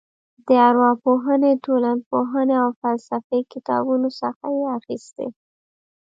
د ارواپوهنې ټولنپوهنې او فلسفې کتابونو څخه یې اخیستې.